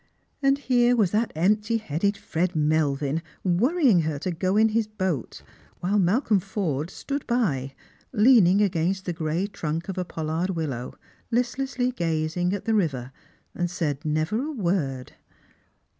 And here was that empty headed Fred Melvin worrying her to go ill his boat, while Malcolm Forde stood by, leaning against the gray trunk of a pollard willow, hstlessly gazing at the river, and said never a word.